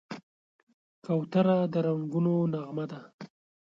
کوتره د رنګونو نغمه ده.